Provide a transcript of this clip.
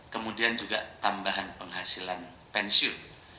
kemudian juga tambahan penghasilan pensiun